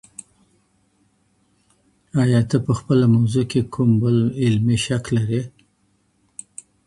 ایا ته په خپله موضوع کي کوم بل علمي شک لري؟